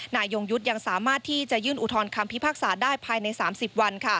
ยงยุทธ์ยังสามารถที่จะยื่นอุทธรณคำพิพากษาได้ภายใน๓๐วัน